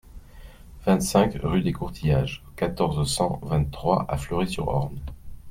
vingt-cinq rue des Courtillages, quatorze, cent vingt-trois à Fleury-sur-Orne